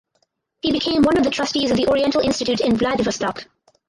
He became one of the trustees of the Oriental Institute in Vladivostok.